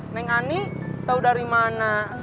neng ani tau dari mana